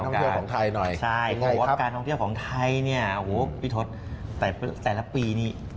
อ๋อใกล้กับการท่องเที่ยวของไทยหน่อย